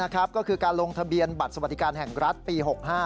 ก็คือการลงทะเบียนบัตรสวัสดิการแห่งรัฐปี๖๕